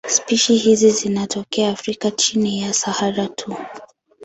Spishi hizi zinatokea Afrika chini ya Sahara tu.